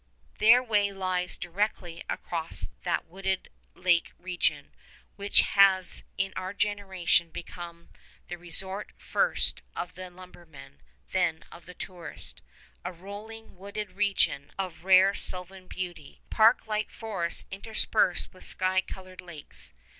Their way lies directly across that wooded lake region, which has in our generation become the resort first of the lumberman, then of the tourist, a rolling, wooded region of rare sylvan beauty, park like forests interspersed with sky colored lakes.